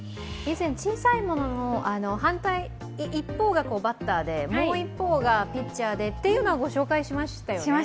以前小さいものの、一方がバッターでもう一方がピッチャーでっていうのは御紹介しましたよね